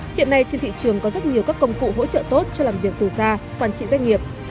hiện nay trên thị trường có rất nhiều các công cụ hỗ trợ tốt cho làm việc từ xa quản trị doanh nghiệp